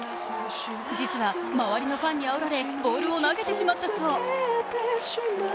実は、周りのファンにあおられ、ボールを投げてしまったそう。